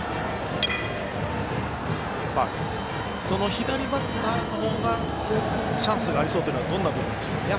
左バッターの方がチャンスがありそうというのはどんなところなんでしょうか。